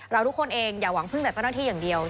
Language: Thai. ทุกคนเองอย่าหวังพึ่งแต่เจ้าหน้าที่อย่างเดียว